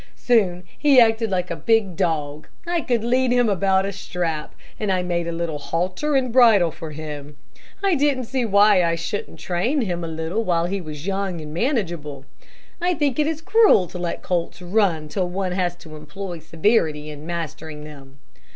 Soon he acted like a big dog. I could lead him about by a strap, and I made a little halter and a bridle for him. I didn't see why I shouldn't train him a little while he was young and manageable. I think it is cruel to let colts run till one has to employ severity in mastering them.